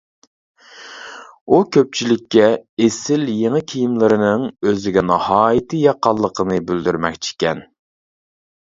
ئۇ كۆپچىلىككە ئېسىل يېڭى كىيىملىرىنىڭ ئۆزىگە ناھايىتى ياققانلىقىنى بىلدۈرمەكچىكەن.